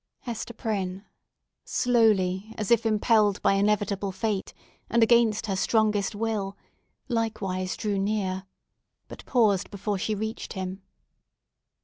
Hester Prynne—slowly, as if impelled by inevitable fate, and against her strongest will—likewise drew near, but paused before she reached him.